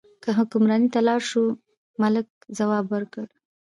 که حکمرانۍ ته لاړ شو، ملک ځواب ورکړ.